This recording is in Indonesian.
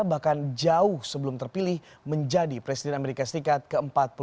bahkan jauh sebelum terpilih menjadi presiden amerika serikat ke empat puluh lima